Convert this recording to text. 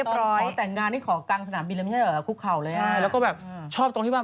ช็อกมากตอนเช้าเหมือนจะแบบว่าใกล้จะแต่งงานกัน